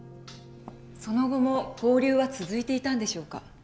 その後も交流は続いていたんでしょうか？